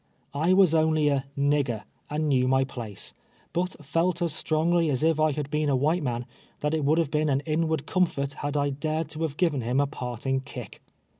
I was only a "• nigger' and knew my place, but felt as strongly as if I had l)een a white man, that it wonld have been an inward comfoi t, had I dared to liave given him a parting kick.